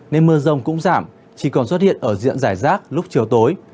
nên mưa rông cũng giảm chỉ còn xuất hiện ở diện giải rác lúc chiều tối